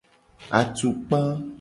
Atukpa.